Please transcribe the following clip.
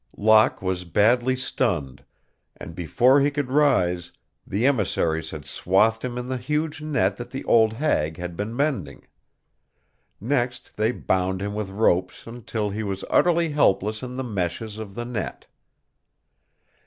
Locke was badly stunned, and before he could rise the emissaries had swathed him in the huge net that the old hag had been mending. Next they bound him with ropes until he was utterly helpless in the meshes of the net.